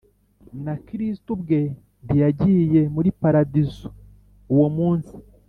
na kristo ubwe ntiyagiye muri paradiso uwo munsi